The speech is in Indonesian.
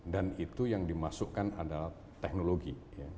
dan itu yang dimasukkan adalah teknologi